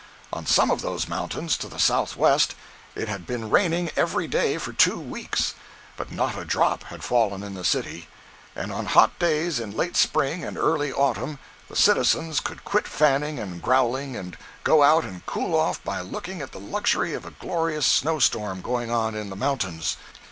On some of those mountains, to the southwest, it had been raining every day for two weeks, but not a drop had fallen in the city. And on hot days in late spring and early autumn the citizens could quit fanning and growling and go out and cool off by looking at the luxury of a glorious snow storm going on in the mountains.